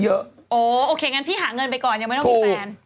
โอเคงั้นพี่หาเงินไปก่อนยังไม่ต้องมีแฟน